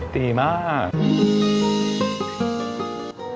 ดีมาก